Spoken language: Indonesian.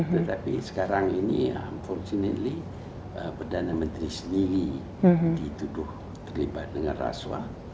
tetapi sekarang ini fortunely perdana menteri sendiri dituduh terlibat dengan rasuah